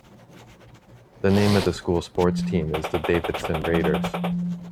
The name of the school sports team is the Davidson Raiders.